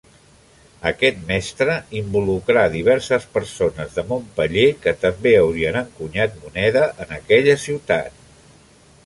Aquest mestre involucrà diverses persones de Montpeller que també haurien encunyat moneda en aquella ciutat.